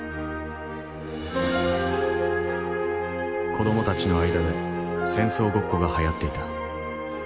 子どもたちの間で戦争ごっこがはやっていた。